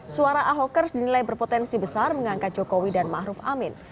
suara ahokers dinilai berpotensi besar mengangkat jokowi dan ma'ruf amin